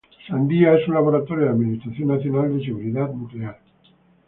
Sandia es un laboratorio de Administración Nacional de Seguridad Nuclear.